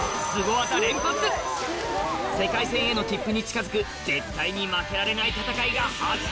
世界戦への切符に近づく絶対に負けられない戦いが始まる！